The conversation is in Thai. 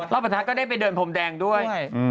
แล้วปราศนาก็ได้ไปเดินผมแดงด้วย